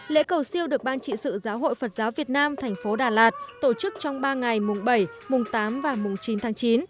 lễ cầu siêu được ban trị sự giáo hội phật giáo việt nam thành phố đà lạt tổ chức trong ba ngày mùng bảy mùng tám và mùng chín tháng chín